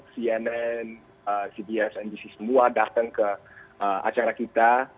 cnn cds nbc semua datang ke acara kita